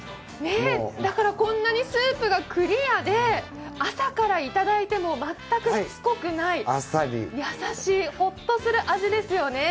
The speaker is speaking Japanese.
だからこんなにスープがクリアで、朝から頂いても全くしつこくない、優しいほっとする味ですよね。